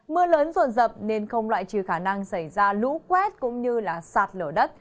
mưa lớn ruột rập nên không loại trừ khả năng xảy ra lũ quét cũng như sạt lửa đất